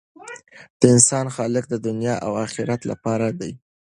د انسان خلقت د دنیا او آخرت لپاره دی.